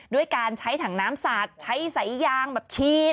ด้วยการใช้ถังน้ำสาดใช้สายยางแบบฉีด